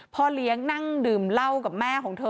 พ่อเลี้ยงนั่งดื่มเหล้ากับแม่ของเธอ